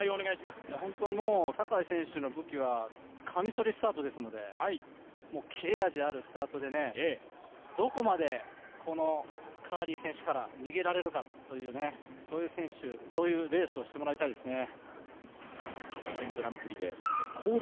坂井選手の武器はかみそりスタートですので、切れ味のあるスタートでどこまでカーリー選手から逃げられるかというそういうレースをしてもらいたいですね。